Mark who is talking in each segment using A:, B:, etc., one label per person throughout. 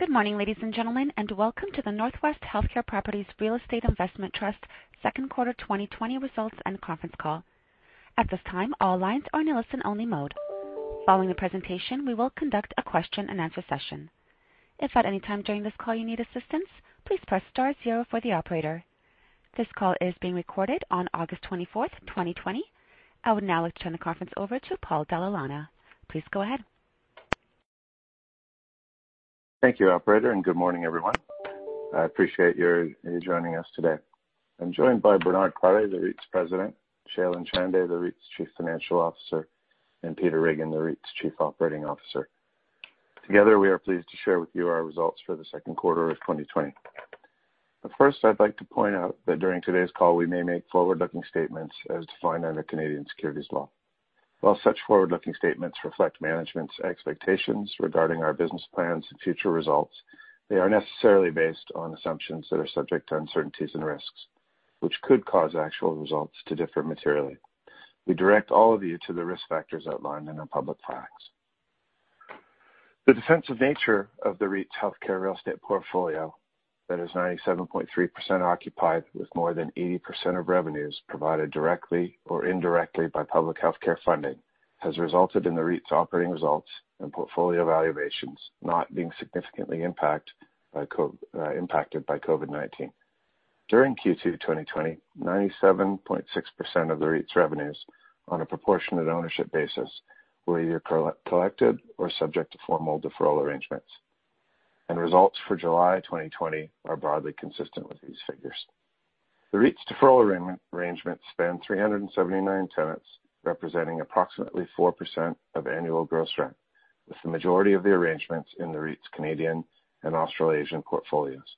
A: Good morning, ladies and gentlemen, and welcome to the Northwest Healthcare Properties Real Estate Investment Trust second quarter 2020 results and conference call. At this time, all lines are in listen-only mode. Following the presentation, we will conduct a question and answer session. If at any time during this call you need assistance, please press star zero for the operator. This call is being recorded on August 24th, 2020. I would now like to turn the conference over to Paul Dalla Lana. Please go ahead.
B: Thank you, operator. Good morning, everyone. I appreciate you joining us today. I'm joined by Bernard Crotty, the REIT's President, Shailen Chande, the REIT's Chief Financial Officer, and Peter Riggin, the REIT's Chief Operating Officer. Together, we are pleased to share with you our results for the second quarter of 2020. First, I'd like to point out that during today's call, we may make forward-looking statements as defined under Canadian securities law. While such forward-looking statements reflect management's expectations regarding our business plans and future results, they are necessarily based on assumptions that are subject to uncertainties and risks, which could cause actual results to differ materially. We direct all of you to the risk factors outlined in our public filings. The defensive nature of the REIT's healthcare real estate portfolio that is 97.3% occupied with more than 80% of revenues provided directly or indirectly by public healthcare funding, has resulted in the REIT's operating results and portfolio valuations not being significantly impacted by COVID-19. During Q2 2020, 97.6% of the REIT's revenues on a proportionate ownership basis were either collected or subject to formal deferral arrangements. Results for July 2020 are broadly consistent with these figures. The REIT's deferral arrangements span 379 tenants, representing approximately 4% of annual gross rent, with the majority of the arrangements in the REIT's Canadian and Australasian portfolios.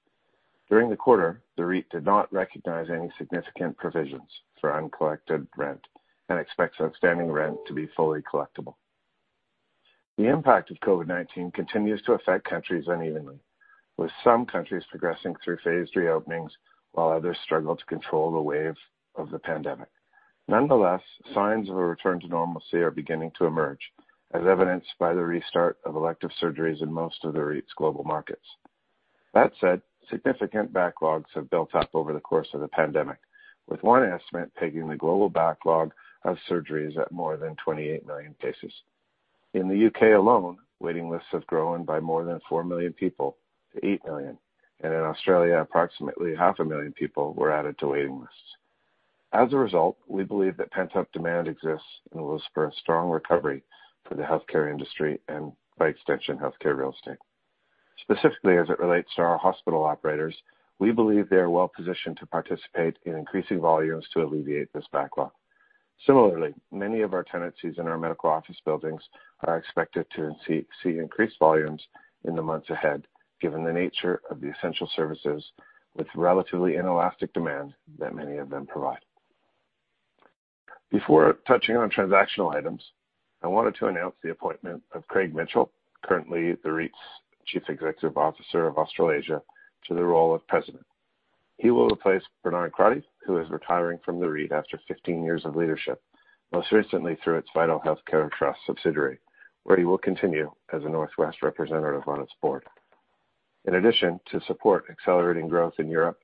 B: During the quarter, the REIT did not recognize any significant provisions for uncollected rent and expects outstanding rent to be fully collectible. The impact of COVID-19 continues to affect countries unevenly, with some countries progressing through phased reopenings while others struggle to control the wave of the pandemic. Nonetheless, signs of a return to normalcy are beginning to emerge, as evidenced by the restart of elective surgeries in most of the REIT's global markets. That said, significant backlogs have built up over the course of the pandemic, with one estimate pegging the global backlog of surgeries at more than 28 million cases. In the U.K. alone, waiting lists have grown by more than 4 million people to 8 million, and in Australia, approximately half a million people were added to waiting lists. As a result, we believe that pent-up demand exists and it will spur a strong recovery for the healthcare industry and by extension, healthcare real estate. Specifically, as it relates to our hospital operators, we believe they are well-positioned to participate in increasing volumes to alleviate this backlog. Similarly, many of our tenancies in our medical office buildings are expected to see increased volumes in the months ahead given the nature of the essential services with relatively inelastic demand that many of them provide. Before touching on transactional items, I wanted to announce the appointment of Craig Mitchell, currently the REIT's Chief Executive Officer of Australasia, to the role of President. He will replace Bernard Crotty, who is retiring from the REIT after 15 years of leadership, most recently through its Vital Healthcare Trust subsidiary, where he will continue as a Northwest representative on its board. In addition to support accelerating growth in Europe,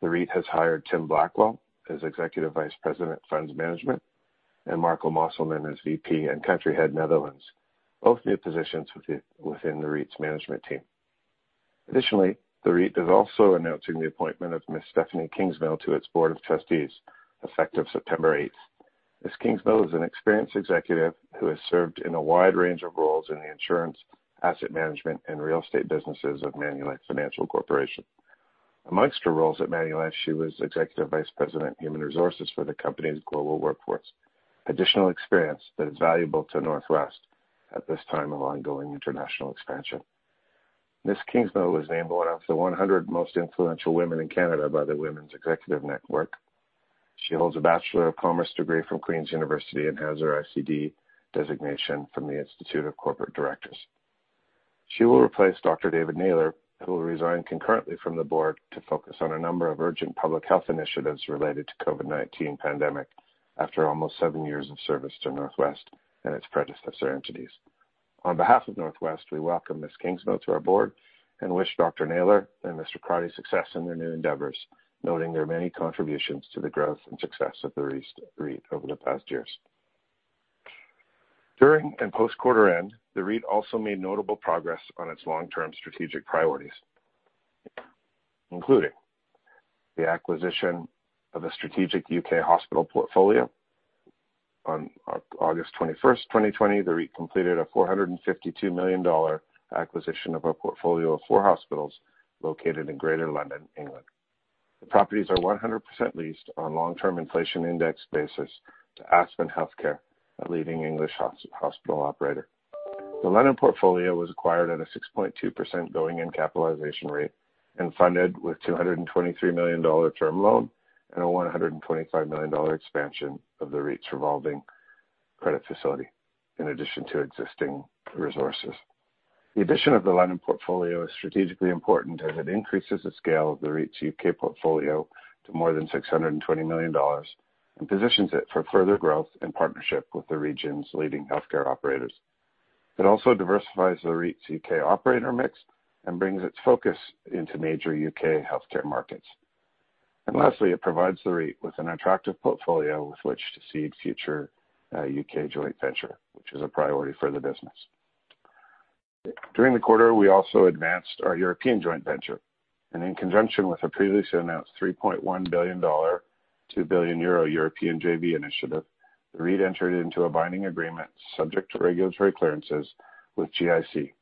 B: the REIT has hired Tim Blackwell as Executive Vice President, Funds Management, and Marco Mosselman as VP and Country Head, Netherlands, both new positions within the REIT's management team. The REIT is also announcing the appointment of Ms. Stephanie Kingsmill to its Board of Trustees effective September 8th. Ms. Kingsmill is an experienced executive who has served in a wide range of roles in the insurance, asset management, and real estate businesses of Manulife Financial Corporation. Amongst her roles at Manulife, she was Executive Vice President, Human Resources for the company's global workforce. Additional experience that is valuable to Northwest at this time of ongoing international expansion. Ms. Kingsmill was named one of the 100 most influential women in Canada by the Women's Executive Network. She holds a Bachelor of Commerce degree from Queen's University and has her ICD designation from the Institute of Corporate Directors. She will replace Dr. David Naylor, who will resign concurrently from the board to focus on a number of urgent public health initiatives related to COVID-19 pandemic after almost seven years of service to Northwest and its predecessor entities. On behalf of Northwest, we welcome Ms. Kingsmill to our board and wish Dr. Naylor and Mr. Crotty success in their new endeavors, noting their many contributions to the growth and success of the REIT over the past years. During and post quarter end, the REIT also made notable progress on its long-term strategic priorities, including the acquisition of a strategic U.K. hospital portfolio. On August 21st, 2020, the REIT completed a 452 million dollar acquisition of a portfolio of four hospitals located in Greater London, England. The properties are 100% leased on long-term inflation index basis to Aspen Healthcare, a leading English hospital operator. The London portfolio was acquired at a 6.2% going-in capitalization rate and funded with 223 million dollar term loan and a 125 million dollar expansion of the REIT's revolving credit facility in addition to existing resources. The addition of the London portfolio is strategically important as it increases the scale of the REIT's U.K. portfolio to more than 620 million dollars. Positions it for further growth in partnership with the region's leading healthcare operators. It also diversifies the REIT's U.K. operator mix and brings its focus into major U.K. healthcare markets. Lastly, it provides the REIT with an attractive portfolio with which to seed future U.K. joint venture, which is a priority for the business. During the quarter, we also advanced our European joint venture. In conjunction with a previously announced 3.1 billion dollar to 2 billion euro European JV initiative, the REIT entered into a binding agreement subject to regulatory clearances with GIC,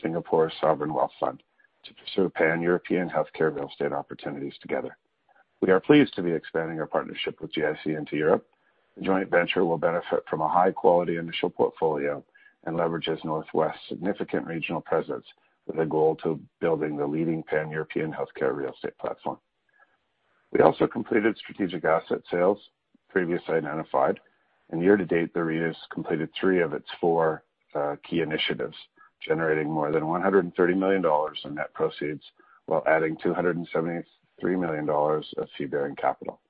B: Singapore's sovereign wealth fund, to pursue Pan-European healthcare real estate opportunities together. We are pleased to be expanding our partnership with GIC into Europe. The joint venture will benefit from a high-quality initial portfolio and leverages Northwest's significant regional presence with a goal to building the leading Pan-European healthcare real estate platform. We also completed strategic asset sales previously identified. Year to date, the REIT has completed three of its four key initiatives, generating more than 130 million dollars in net proceeds while adding 273 million dollars of fee-bearing capital.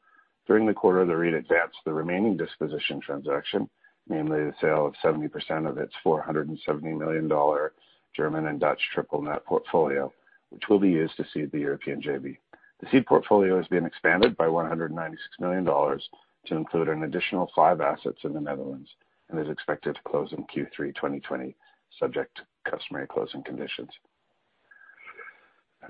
B: During the quarter, the REIT advanced the remaining disposition transaction, namely the sale of 70% of its 470 million dollar German and Dutch triple-net portfolio, which will be used to seed the European JV. The seed portfolio has been expanded by 196 million dollars to include an additional five assets in the Netherlands and is expected to close in Q3 2020, subject to customary closing conditions.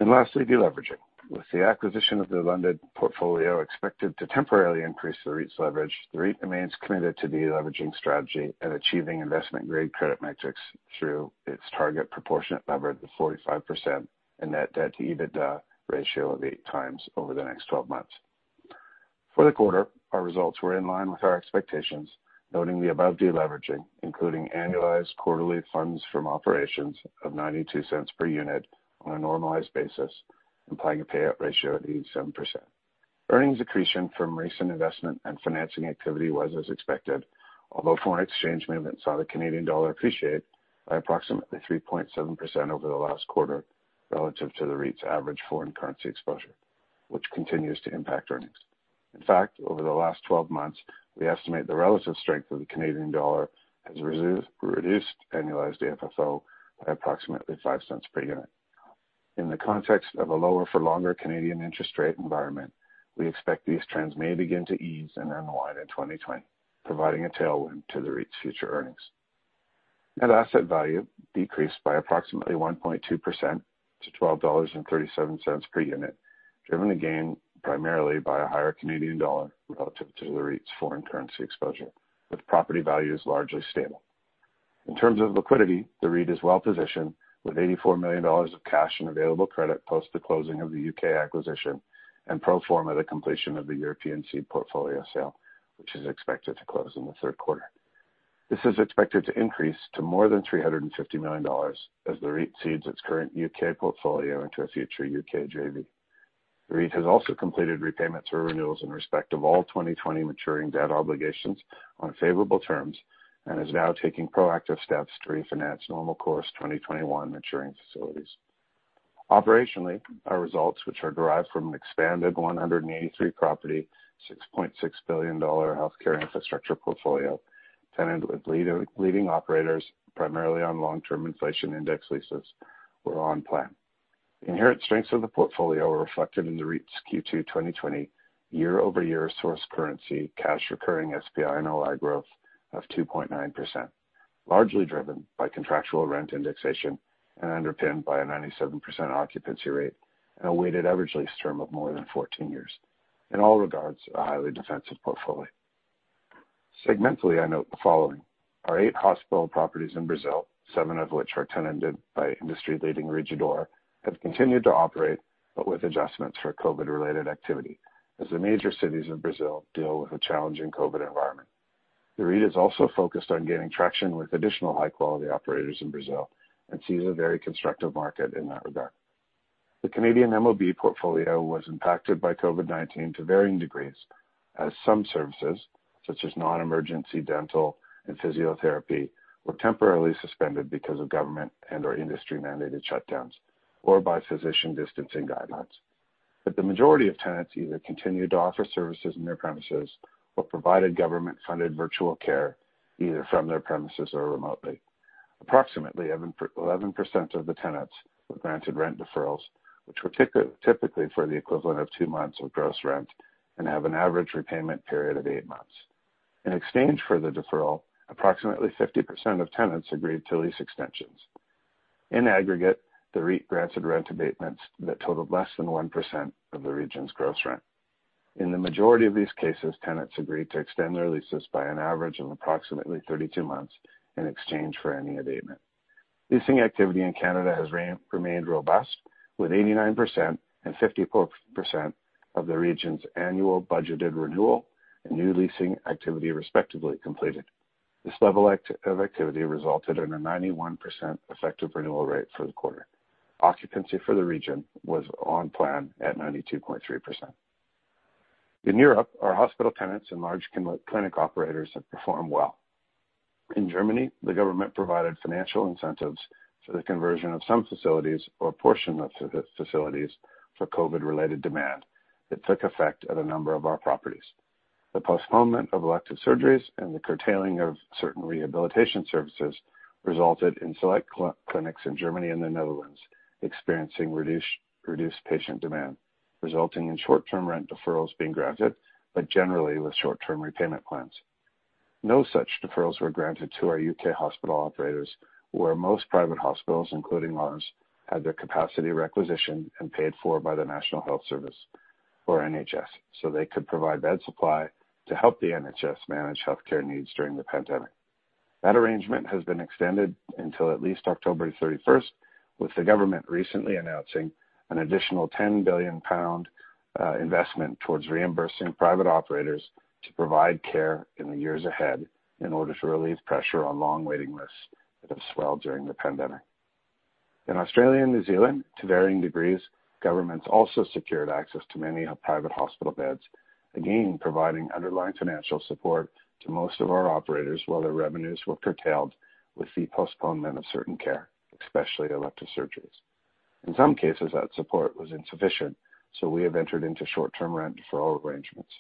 B: Lastly, de-leveraging. With the acquisition of the London portfolio expected to temporarily increase the REIT's leverage, the REIT remains committed to de-leveraging strategy and achieving investment-grade credit metrics through its target proportionate leverage of 45% and net debt-to-EBITDA ratio of eight times over the next 12 months. For the quarter, our results were in line with our expectations, noting the above de-leveraging, including annualized quarterly funds from operations of 0.92 per unit on a normalized basis, implying a payout ratio of 87%. Earnings accretion from recent investment and financing activity was as expected, although foreign exchange movements saw the Canadian dollar appreciate by approximately 3.7% over the last quarter relative to the REIT's average foreign currency exposure, which continues to impact earnings. In fact, over the last 12 months, we estimate the relative strength of the Canadian dollar has reduced annualized FFO by approximately 0.05 per unit. In the context of a lower for longer Canadian interest rate environment, we expect these trends may begin to ease in early-mid 2020, providing a tailwind to the REIT's future earnings. Net asset value decreased by approximately 1.2% to 12.37 dollars per unit, driven again primarily by a higher Canadian dollar relative to the REIT's foreign currency exposure, with property values largely stable. In terms of liquidity, the REIT is well positioned with 84 million dollars of cash and available credit post the closing of the U.K. acquisition and pro forma the completion of the European seed portfolio sale, which is expected to close in the third quarter. This is expected to increase to more than 350 million dollars as the REIT seeds its current U.K. portfolio into a future U.K. JV. The REIT has also completed repayments or renewals in respect of all 2020 maturing debt obligations on favorable terms and is now taking proactive steps to refinance normal course 2021 maturing facilities. Operationally, our results, which are derived from an expanded 183 property, 6.6 billion dollar healthcare infrastructure portfolio, tenanted with leading operators, primarily on long-term inflation-indexed leases, were on plan. Inherent strengths of the portfolio were reflected in the REIT's Q2 2020 year-over-year source currency, cash recurring SP-NOI growth of 2.9%, largely driven by contractual rent indexation and underpinned by a 97% occupancy rate and a weighted average lease term of more than 14 years. In all regards, a highly defensive portfolio. Segmentally, I note the following. Our eight hospital properties in Brazil, seven of which are tenanted by industry-leading Rede D'Or, have continued to operate, but with adjustments for COVID-19-related activity, as the major cities of Brazil deal with a challenging COVID-19 environment. The REIT is also focused on gaining traction with additional high-quality operators in Brazil and sees a very constructive market in that regard. The Canadian MOB portfolio was impacted by COVID-19 to varying degrees, as some services, such as non-emergency dental and physiotherapy, were temporarily suspended because of government and/or industry-mandated shutdowns or by physician distancing guidelines. The majority of tenants either continued to offer services in their premises or provided government-funded virtual care, either from their premises or remotely. Approximately 11% of the tenants were granted rent deferrals, which were typically for the equivalent of two months of gross rent and have an average repayment period of eight months. In exchange for the deferral, approximately 50% of tenants agreed to lease extensions. In aggregate, the REIT granted rent abatements that totaled less than 1% of the region's gross rent. In the majority of these cases, tenants agreed to extend their leases by an average of approximately 32 months in exchange for any abatement. Leasing activity in Canada has remained robust, with 89% and 54% of the region's annual budgeted renewal and new leasing activity respectively completed. This level of activity resulted in a 91% effective renewal rate for the quarter. Occupancy for the region was on plan at 92.3%. In Europe, our hospital tenants and large clinic operators have performed well. In Germany, the government provided financial incentives for the conversion of some facilities or portion of facilities for COVID related demand that took effect at a number of our properties. The postponement of elective surgeries and the curtailing of certain rehabilitation services resulted in select clinics in Germany and the Netherlands experiencing reduced patient demand, resulting in short-term rent deferrals being granted, but generally with short-term repayment plans. No such deferrals were granted to our U.K. hospital operators, where most private hospitals, including ours, had their capacity requisitioned and paid for by the National Health Service, or NHS, so they could provide bed supply to help the NHS manage healthcare needs during the pandemic. That arrangement has been extended until at least October 31st, with the government recently announcing an additional 10 billion pound investment towards reimbursing private operators to provide care in the years ahead in order to relieve pressure on long waiting lists that have swelled during the pandemic. In Australia and New Zealand, to varying degrees, governments also secured access to many private hospital beds, again providing underlying financial support to most of our operators while their revenues were curtailed with the postponement of certain care, especially elective surgeries. In some cases, that support was insufficient, so we have entered into short-term rent deferral arrangements.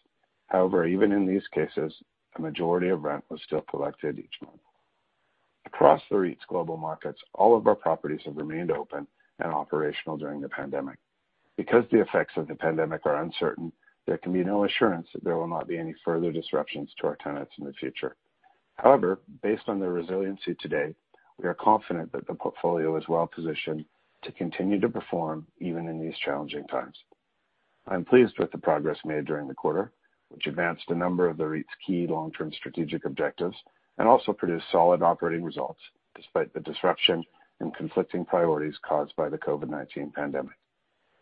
B: However, even in these cases, a majority of rent was still collected each month. Across the REIT's global markets, all of our properties have remained open and operational during the pandemic. Because the effects of the pandemic are uncertain, there can be no assurance that there will not be any further disruptions to our tenants in the future. However, based on their resiliency to date, we are confident that the portfolio is well-positioned to continue to perform even in these challenging times. I am pleased with the progress made during the quarter, which advanced a number of the REIT's key long-term strategic objectives and also produced solid operating results despite the disruption and conflicting priorities caused by the COVID-19 pandemic.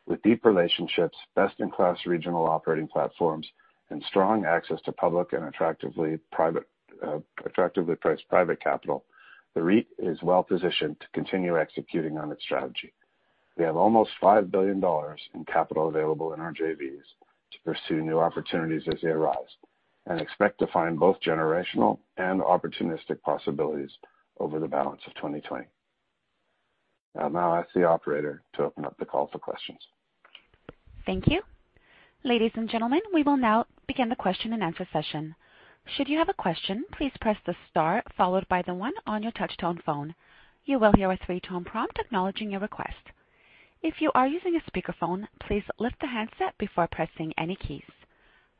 B: With deep relationships, best-in-class regional operating platforms, and strong access to public and attractively priced private capital, the REIT is well positioned to continue executing on its strategy. We have almost 5 billion dollars in capital available in our JVs to pursue new opportunities as they arise, and expect to find both generational and opportunistic possibilities over the balance of 2020. I'll now ask the operator to open up the call for questions.
A: Thank you. Ladies and gentlemen, we will now begin the question and answer session. Should you have a question, please press the star followed by the one on your touch-tone phone. You will hear a three-tone prompt acknowledging your request. If you are using a speakerphone, please lift the handset before pressing any keys.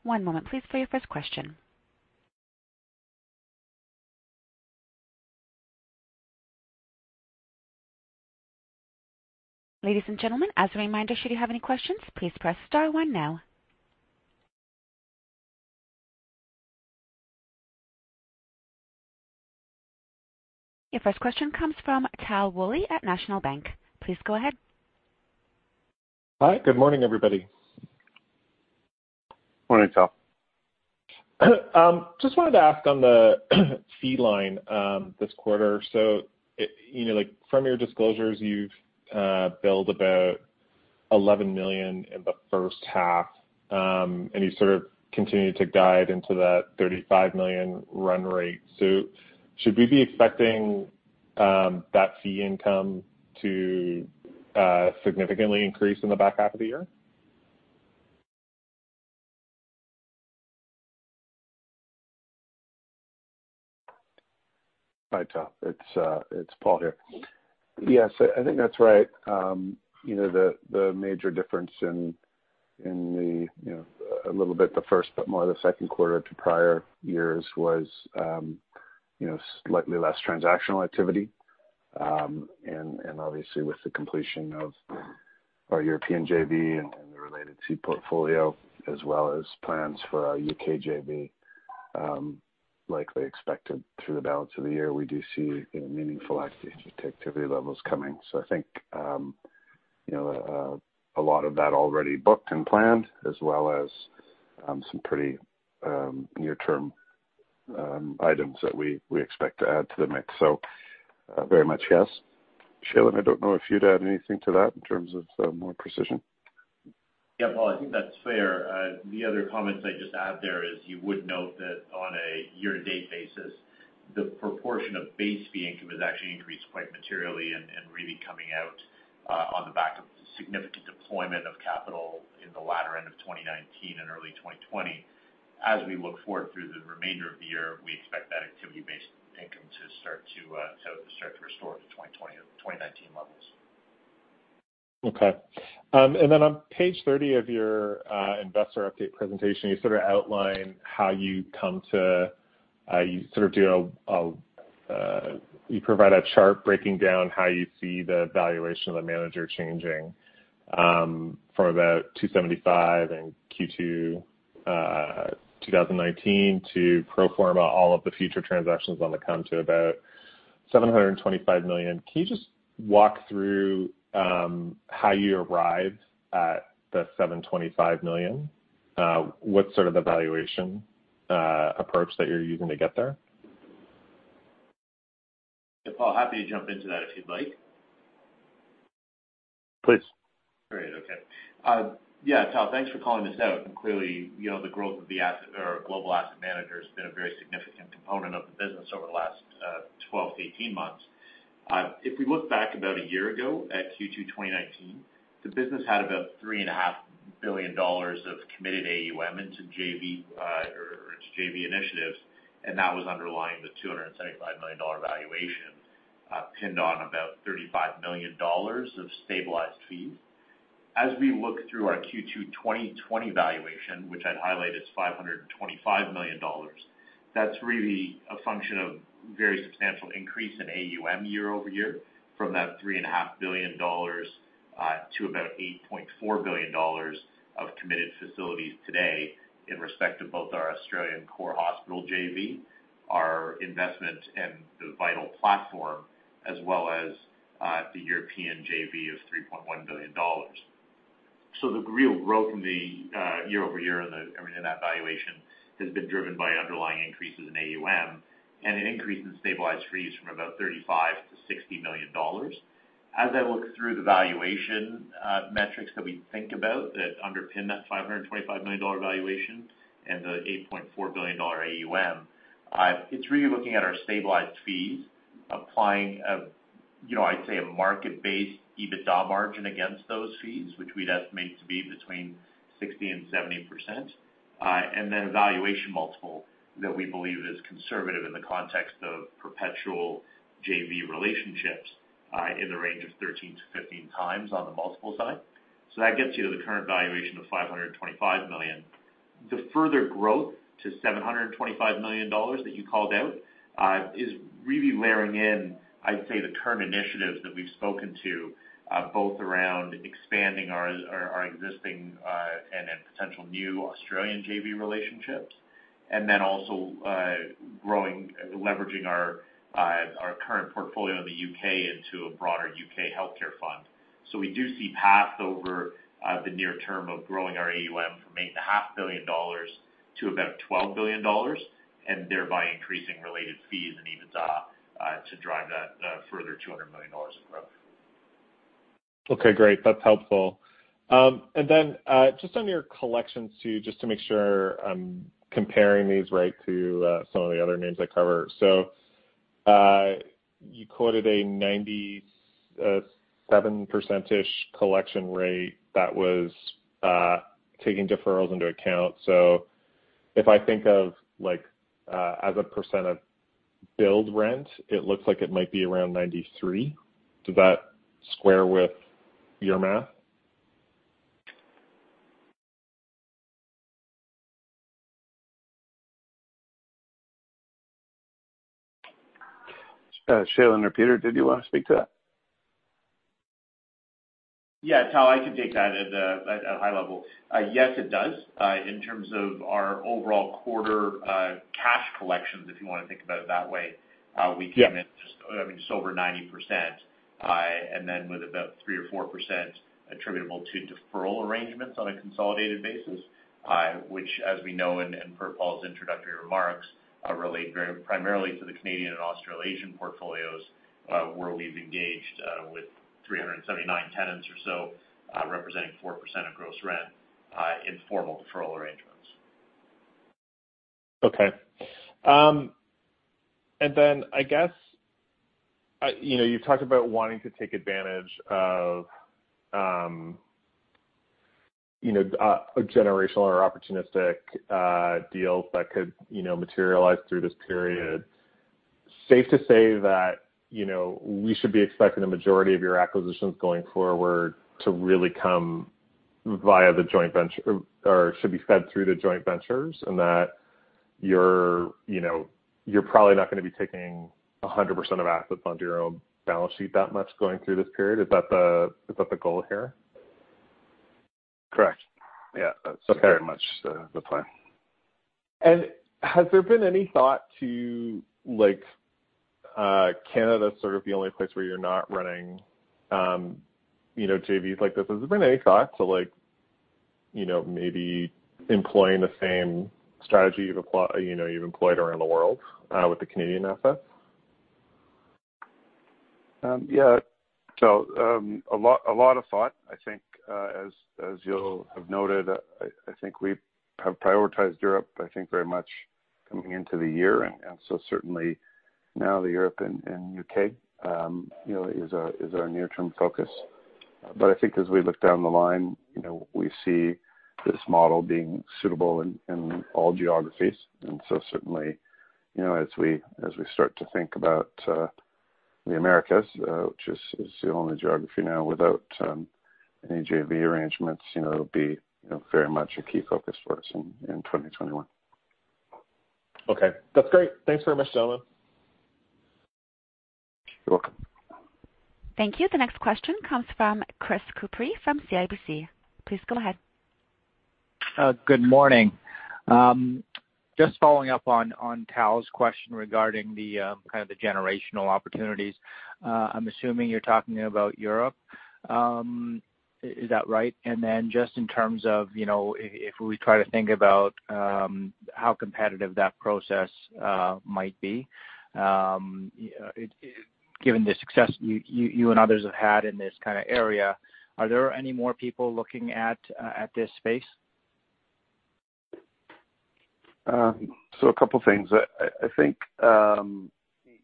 A: One moment please for your first question. Ladies and gentlemen, as a reminder, should you have any questions, please press star one now. Your first question comes from Tal Woolley at National Bank. Please go ahead.
C: Hi. Good morning, everybody.
B: Morning, Tal.
C: Just wanted to ask on the fee line this quarter. From your disclosures, you've billed about 11 million in the H1, and you sort of continued to guide into that 35 million run rate. Should we be expecting that fee income to significantly increase in the back half of the year?
B: Hi, Tal. It's Paul here. Yes, I think that's right. The major difference in a little bit the first, but more the second quarter to prior years was slightly less transactional activity. Obviously with the completion of our European JV and the related fee portfolio, as well as plans for our U.K. JV, likely expected through the balance of the year, we do see meaningful activity levels coming. I think a lot of that already booked and planned, as well as some pretty near-term items that we expect to add to the mix. Very much, yes. Shailen, I don't know if you'd add anything to that in terms of more precision.
D: Yeah, Paul, I think that's fair. The other comments I'd just add there is you would note that on a year-to-date basis, the proportion of base fee income has actually increased quite materially and really coming out on the back of significant deployment of capital in the latter end of 2019 and early 2020. As we look forward through the remainder of the year, we expect that activity-based income to start to restore to 2019 levels.
C: Okay. On page 30 of your investor update presentation, you provide a chart breaking down how you see the valuation of the manager changing, from about 275 million in Q2 2019 to pro forma all of the future transactions on the come to about 725 million. Can you just walk through how you arrived at the 725 million? What's sort of the valuation approach that you're using to get there?
D: Yeah, Paul, happy to jump into that if you'd like.
B: Please.
D: Great. Okay. Yeah, Tal, thanks for calling this out. Clearly, the growth of the Global Asset Manager has been a very significant component of the business over the last 12 months-18 months. If we look back about a year ago at Q2 2019, the business had about 3.5 billion dollars of committed AUM into JV initiatives, and that was underlying the 275 million dollar valuation pinned on about 35 million dollars of stabilized fees. As we look through our Q2 2020 valuation, which I'd highlight is 525 million dollars, that's really a function of very substantial increase in AUM year-over-year from that 3.5 billion dollars to about 8.4 billion dollars of committed facilities today in respect to both our Australian Core Hospital JV, our investment in the Vital platform, as well as the European JV of 3.1 billion dollars. The real growth in the year-over-year in that valuation has been driven by underlying increases in AUM and an increase in stabilized fees from about 35 million-60 million dollars. As I look through the valuation metrics that we think about that underpin that 525 million dollar valuation and the 8.4 billion dollar AUM, it's really looking at our stabilized fees, applying, I'd say, a market-based EBITDA margin against those fees, which we'd estimate to be between 60%-70%. Valuation multiple that we believe is conservative in the context of perpetual JV relationships in the range of 13x-15x on the multiple side. That gets you to the current valuation of 525 million. The further growth to 725 million dollars that you called out is really layering in, I'd say, the term initiatives that we've spoken to, both around expanding our existing and potential new Australian JV relationships. Also growing, leveraging our current portfolio in the U.K. into a broader U.K. healthcare fund. We do see paths over the near term of growing our AUM from 8.5 billion dollars to about 12 billion dollars, and thereby increasing related fees and EBITDA to drive that further 200 million dollars in growth.
C: Okay, great. That's helpful. Then, just on your collections too, just to make sure I'm comparing these right to some of the other names I cover. You quoted a 97%-ish collection rate that was taking deferrals into account. If I think of as a percent of build rent, it looks like it might be around 93%. Does that square with your math?
B: Shailen or Peter, did you want to speak to that?
D: Yeah, Tal, I can take that at a high level. Yes, it does. In terms of our overall quarter cash collections, if you want to think about it that way.
C: Yeah
D: We came in just over 90%. With about 3% or 4% attributable to deferral arrangements on a consolidated basis, which as we know, and per Paul's introductory remarks, relate very primarily to the Canadian and Australasian portfolios where we've engaged with 379 tenants or so, representing 4% of gross rent in formal deferral arrangements.
C: Okay. I guess, you've talked about wanting to take advantage of a generational or opportunistic deals that could materialize through this period. Safe to say that we should be expecting a majority of your acquisitions going forward to really come or should be fed through the joint ventures and that you're probably not going to be taking 100% of assets onto your own balance sheet that much going through this period. Is that the goal here?
B: Correct. Yeah.
C: Okay.
B: That's very much the plan.
C: Has there been any thought to Canada sort of the only place where you're not running JVs like this? Has there been any thought to maybe employing the same strategy you've employed around the world with the Canadian assets?
B: Yeah. Tal, a lot of thought. I think, as you'll have noted, I think we have prioritized Europe, I think very much coming into the year. Certainly now the Europe and U.K. is our near-term focus. I think as we look down the line, we see this model being suitable in all geographies. Certainly, as we start to think about the Americas, which is the only geography now without any JV arrangements, it'll be very much a key focus for us in 2021.
C: Okay. That's great. Thanks very much, gentlemen.
B: You're welcome.
A: Thank you. The next question comes from Chris Couprie from CIBC. Please go ahead.
E: Good morning. Just following up on Tal's question regarding the kind of the generational opportunities. I'm assuming you're talking about Europe.
B: Yeah.
E: Is that right? Just in terms of, if we try to think about how competitive that process might be, given the success you and others have had in this kind of area, are there any more people looking at this space?
B: A couple things. I think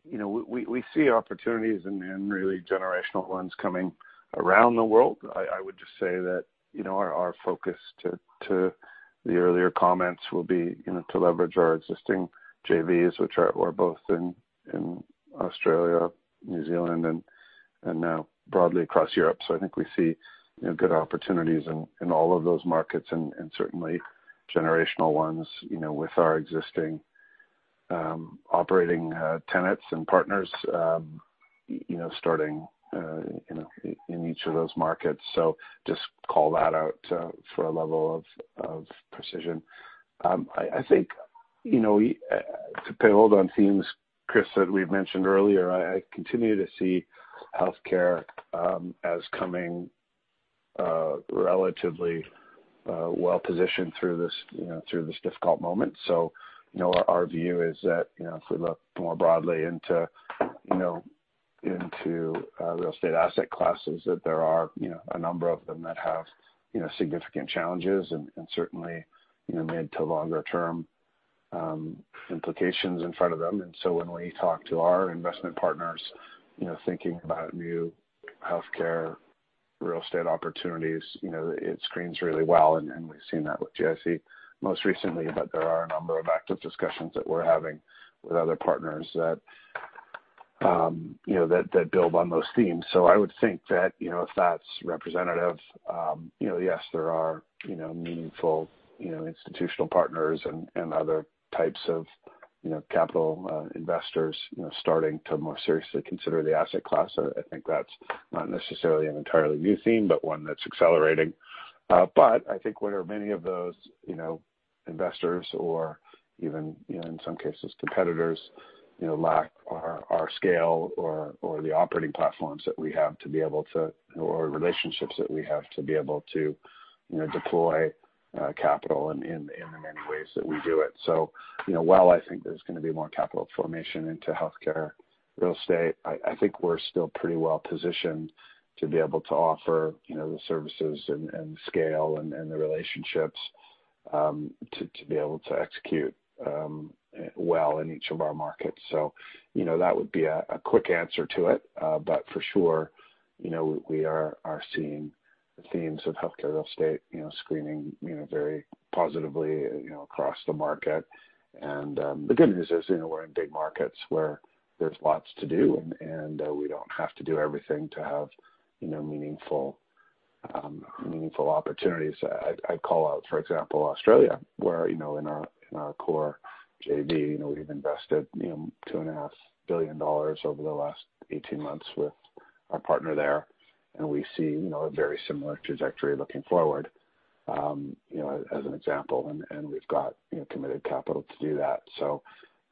B: we see opportunities and really generational ones coming around the world. I would just say that our focus to the earlier comments will be to leverage our existing JVs, which are both in Australia, New Zealand and now broadly across Europe. I think we see good opportunities in all of those markets and certainly generational ones with our existing operating tenants and partners starting in each of those markets. Just call that out for a level of precision. I think to pay hold on themes, Chris, that we mentioned earlier, I continue to see healthcare as coming relatively well-positioned through this difficult moment. Our view is that if we look more broadly into real estate asset classes, that there are a number of them that have significant challenges and certainly made to longer term implications in front of them. When we talk to our investment partners thinking about new healthcare real estate opportunities, it screens really well, and we've seen that with GIC most recently. There are a number of active discussions that we're having with other partners that build on those themes. I would think that if that's representative, yes, there are meaningful institutional partners and other types of capital investors starting to more seriously consider the asset class. I think that's not necessarily an entirely new theme, but one that's accelerating. I think where many of those investors or even in some cases competitors lack our scale or the operating platforms that we have or relationships that we have to be able to deploy capital in the many ways that we do it. While I think there's going to be more capital formation into healthcare real estate, I think we're still pretty well positioned to be able to offer the services and scale and the relationships to be able to execute well in each of our markets. That would be a quick answer to it. For sure, we are seeing the themes of healthcare real estate screening very positively across the market. The good news is, we're in big markets where there's lots to do, and we don't have to do everything to have meaningful opportunities. I'd call out, for example, Australia, where in our core JV, we've invested 2.5 billion dollars over the last 18 months with our partner there. We see a very similar trajectory looking forward, as an example. We've got committed capital to do that.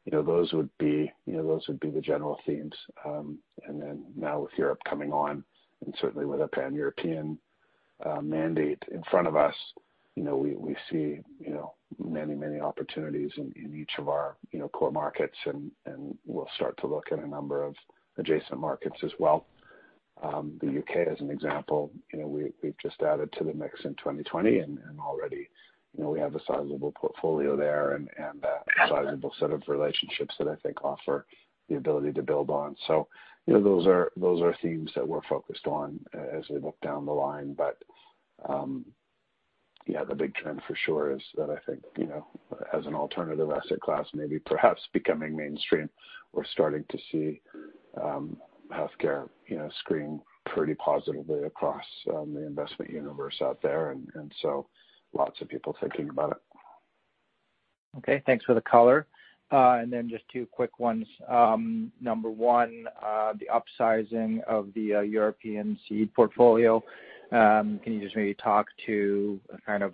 B: Those would be the general themes. With Europe coming on, and certainly with a Pan-European mandate in front of us, we see many opportunities in each of our core markets, and we'll start to look at a number of adjacent markets as well. The U.K, as an example, we've just added to the mix in 2020, and already we have a sizable portfolio there and a sizable set of relationships that I think offer the ability to build on. Those are themes that we're focused on as we look down the line. Yeah, the big trend for sure is that I think as an alternative asset class, maybe perhaps becoming mainstream, we're starting to see healthcare screen pretty positively across the investment universe out there. Lots of people thinking about it.
E: Okay, thanks for the color. Then just two quick ones. Number one, the upsizing of the European seed portfolio. Can you just maybe talk to kind of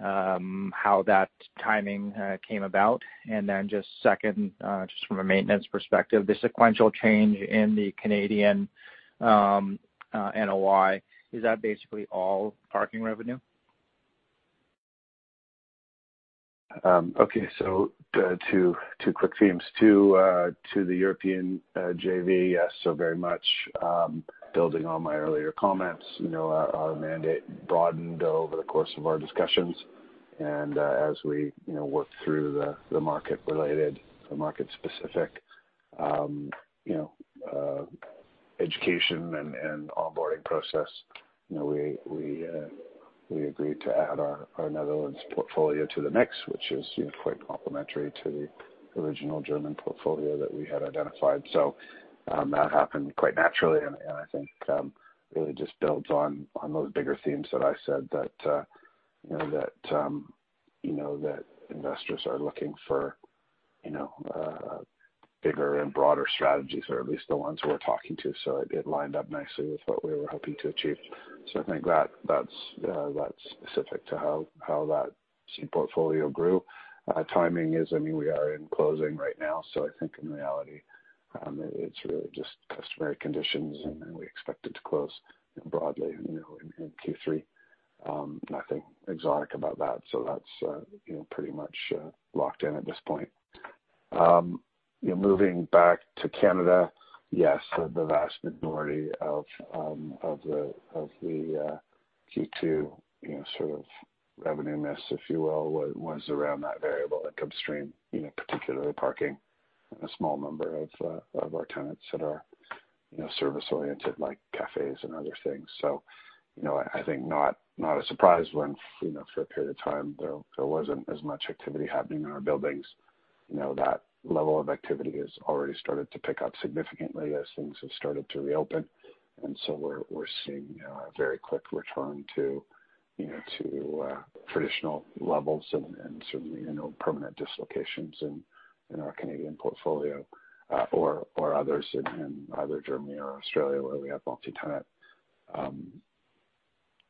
E: how that timing came about? Then just second, just from a maintenance perspective, the sequential change in the Canadian NOI, is that basically all parking revenue?
B: Okay. Two quick themes. Two, to the European JV. Very much building on my earlier comments, our mandate broadened over the course of our discussions. As we worked through the market related, the market specific education and onboarding process, we agreed to add our Netherlands portfolio to the mix, which is quite complementary to the original German portfolio that we had identified. That happened quite naturally, and I think really just builds on those bigger themes that I said that investors are looking for bigger and broader strategies, or at least the ones we're talking to. It lined up nicely with what we were hoping to achieve. I think that's specific to how that seed portfolio grew. Timing is, I mean, we are in closing right now, so I think in reality, it's really just customary conditions, and we expect it to close broadly in Q3. Nothing exotic about that, so that's pretty much locked in at this point. Moving back to Canada. Yes, the vast majority of the Q2 sort of revenue miss, if you will, was around that variable at upstream, particularly parking, and a small number of our tenants that are service-oriented, like cafes and other things. I think not a surprise when, for a period of time, there wasn't as much activity happening in our buildings. That level of activity has already started to pick up significantly as things have started to reopen, and so we're seeing a very quick return to traditional levels and certainly no permanent dislocations in our Canadian portfolio or others in either Germany or Australia where we have multi-tenant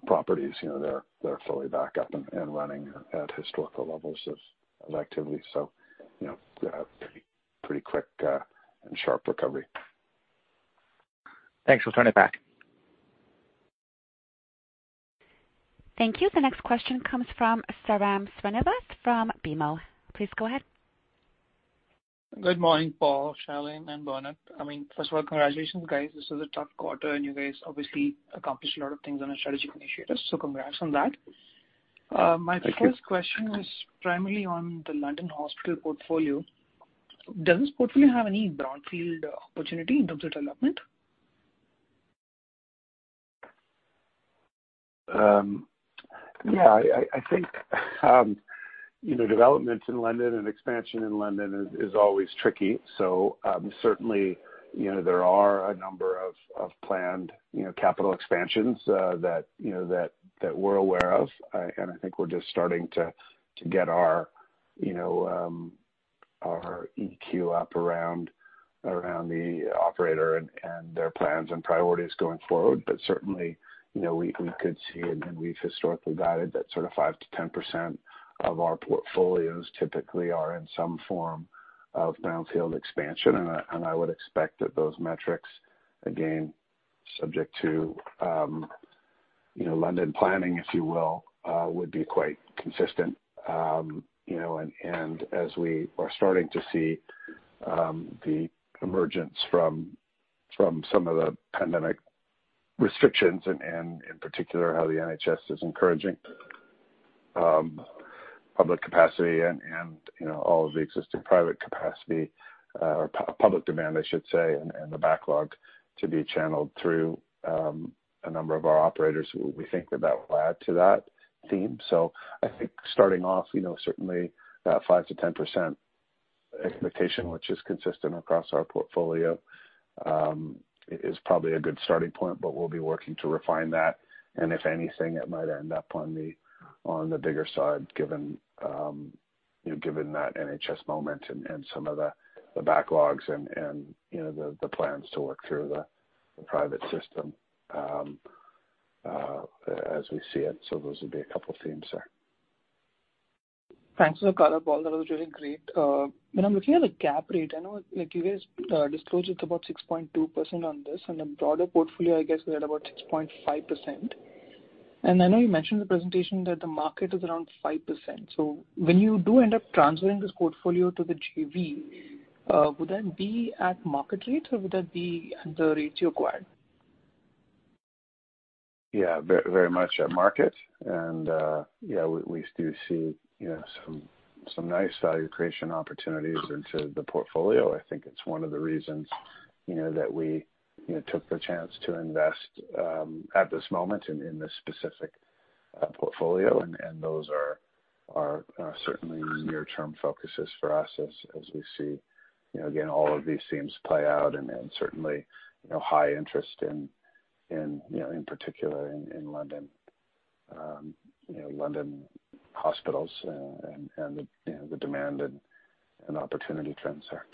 B: properties. They're fully back up and running at historical levels of activity. A pretty quick and sharp recovery.
E: Thanks. We'll turn it back.
A: Thank you. The next question comes from Sriram Srinivas from BMO. Please go ahead.
F: Good morning, Paul, Shailen, and Bernard. First of all, congratulations, guys. This was a tough quarter, and you guys obviously accomplished a lot of things on the strategic initiatives. Congrats on that.
B: Thank you.
F: My first question is primarily on the London Hospital portfolio. Does this portfolio have any brownfield opportunity in terms of development?
B: Yeah. I think developments in London and expansion in London is always tricky. Certainly, there are a number of planned capital expansions that we're aware of, and I think we're just starting to get our EQ up around the operator and their plans and priorities going forward. Certainly, we could see, and we've historically guided, that sort of 5%-10% of our portfolios typically are in some form of brownfield expansion. I would expect that those metrics, again, subject to London planning, if you will, would be quite consistent. As we are starting to see the emergence from some of the pandemic restrictions and in particular, how the NHS is encouraging public capacity and all of the existing private capacity or public demand, I should say, and the backlog to be channeled through a number of our operators, we think that that will add to that theme. I think starting off, certainly that 5%-10% expectation, which is consistent across our portfolio, is probably a good starting point, but we'll be working to refine that, and if anything, it might end up on the bigger side, given that NHS momentum and some of the backlogs and the plans to work through the private system as we see it. Those would be a couple of themes there.
F: Thanks for the color, Paul. That was really great. When I'm looking at the cap rate, I know you guys disclosed it's about 6.2% on this, and the broader portfolio, I guess, we're at about 6.5%. I know you mentioned in the presentation that the market is around 5%. When you do end up transferring this portfolio to the JV, would that be at market rate, or would that be at the rate you acquired?
B: Yeah, very much at market. Yeah, we do see some nice value creation opportunities into the portfolio. I think it's one of the reasons that we took the chance to invest at this moment in this specific portfolio. Those are certainly near-term focuses for us as we see, again, all of these themes play out and certainly high interest in particular in London hospitals and the demand and opportunity trends there.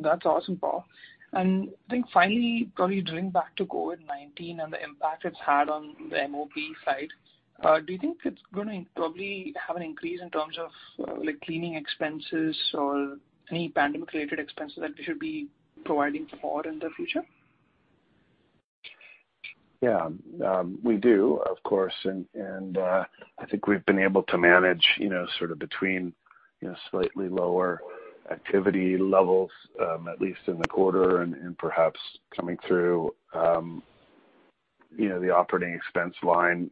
F: That's awesome, Paul. I think finally, probably drawing back to COVID-19 and the impact it's had on the MOB side, do you think it's going to probably have an increase in terms of cleaning expenses or any pandemic-related expenses that we should be providing for in the future?
B: We do, of course, and I think we've been able to manage sort of between slightly lower activity levels, at least in the quarter, and perhaps coming through the operating expense line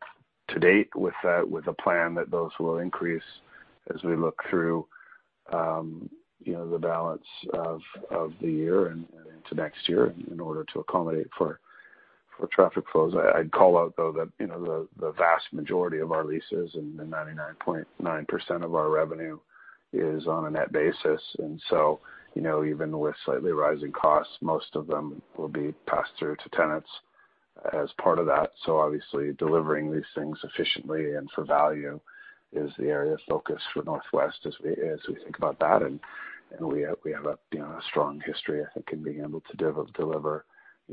B: to date with a plan that those will increase as we look through the balance of the year and into next year in order to accommodate for traffic flows. I'd call out, though, that the vast majority of our leases and 99.9% of our revenue is on a net basis. Even with slightly rising costs, most of them will be passed through to tenants as part of that. Obviously, delivering these things efficiently and for value is the area of focus for Northwest as we think about that. We have a strong history, I think, in being able to deliver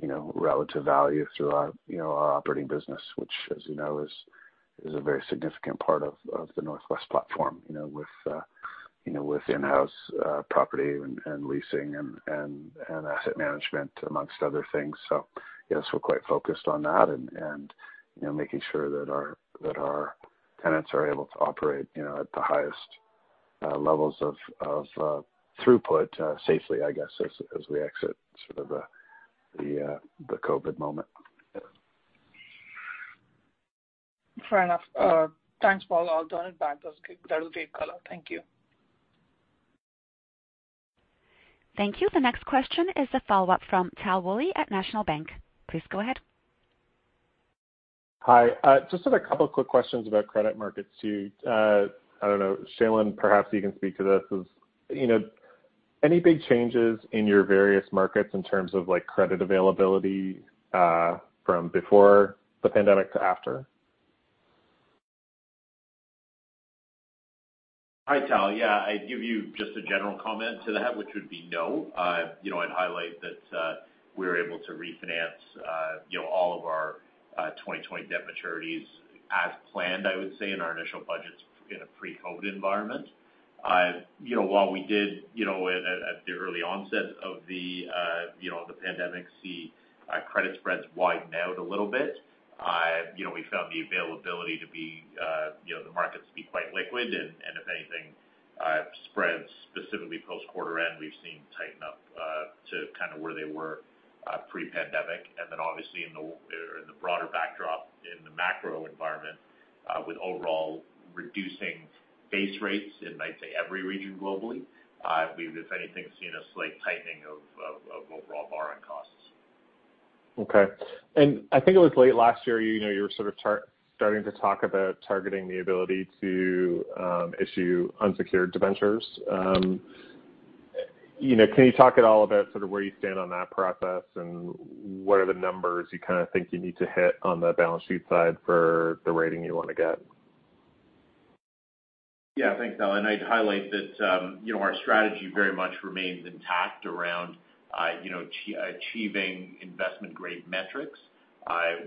B: relative value through our operating business which, as you know, is a very significant part of the NorthWest platform, with in-house property and leasing and asset management, amongst other things. Yes, we're quite focused on that and making sure that our tenants are able to operate at the highest levels of throughput safely, I guess, as we exit sort of the COVID moment. Yeah.
F: Fair enough. Thanks, Paul. I'll turn it back. That will be color. Thank you.
A: Thank you. The next question is the follow-up from Tal Woolley at National Bank. Please go ahead.
C: Hi. Just have a couple quick questions about credit markets too. I don't know, Shailen, perhaps you can speak to this as any big changes in your various markets in terms of credit availability from before the pandemic to after?
D: Hi, Tal. Yeah. I'd give you just a general comment to that, which would be no. I'd highlight that we were able to refinance all of our 2020 debt maturities as planned, I would say, in our initial budgets in a pre-COVID environment. While we did, at the early onset of the pandemic, see credit spreads widen out a little bit, we found the markets to be quite liquid. If anything, spreads specifically post quarter-end, we've seen tighten up to kind of where they were pre-pandemic. Then obviously in the broader backdrop in the macro environment with overall reducing base rates in, I'd say, every region globally, we've, if anything, seen a slight tightening of overall borrowing costs.
C: Okay. I think it was late last year, you were sort of starting to talk about targeting the ability to issue unsecured debentures. Can you talk at all about sort of where you stand on that process and what are the numbers you kind of think you need to hit on the balance sheet side for the rating you want to get?
D: Thanks, Tal, I'd highlight that our strategy very much remains intact around achieving investment-grade metrics.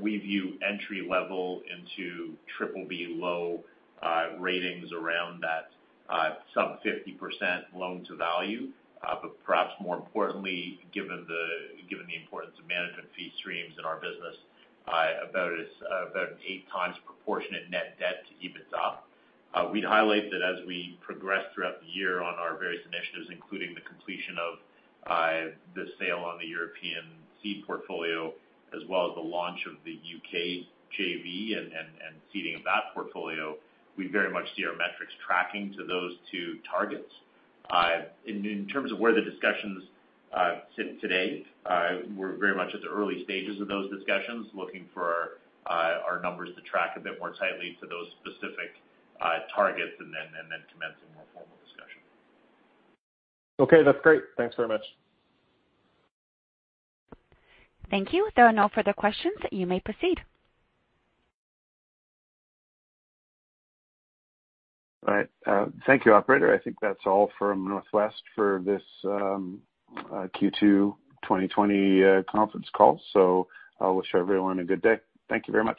D: We view entry level into BBB, low ratings around that sub 50% loan-to-value. Perhaps more importantly, given the importance of management fee streams in our business, about an eight times proportionate net debt-to-EBITDA. We'd highlight that as we progress throughout the year on our various initiatives, including the completion of the sale on the European seed portfolio, as well as the launch of the U.K's JV and seeding of that portfolio. We very much see our metrics tracking to those two targets. In terms of where the discussions sit today, we're very much at the early stages of those discussions, looking for our numbers to track a bit more tightly to those specific targets and then commencing more formal discussion.
C: Okay. That's great. Thanks very much.
A: Thank you. There are no further questions. You may proceed.
B: All right. Thank you, operator. I think that's all from Northwest for this Q2 2020 conference call. I'll wish everyone a good day. Thank you very much.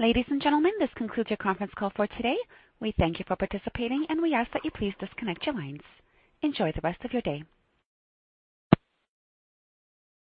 A: Ladies and gentlemen, this concludes your conference call for today. We thank you for participating, and we ask that you please disconnect your lines. Enjoy the rest of your day.